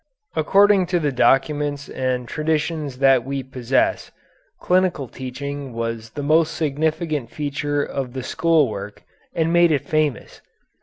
According to the documents and traditions that we possess, clinical teaching was the most significant feature of the school work and made it famous.